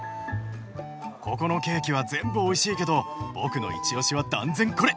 ここのケーキは全部おいしいけど僕のいちおしは断然これ！